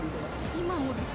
今もですか？